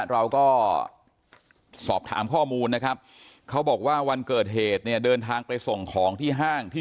เราก็สอบถามข้อมูลนะครับเขาบอกว่าวันเกิดเหตุเนี่ยเดินทางไปส่งของที่ห้างที่